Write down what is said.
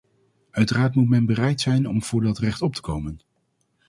Uiteraard moet men bereid zijn om voor dat recht op te komen.